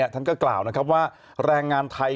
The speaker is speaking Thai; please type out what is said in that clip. ท่านก็กล่าวนะครับว่าแรงงานไทย